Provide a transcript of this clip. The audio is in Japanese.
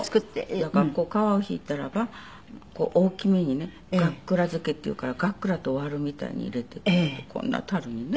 だから皮を引いたらば大きめにねがっくら漬けっていうからがっくらと割るみたいに入れてこんなタルにね。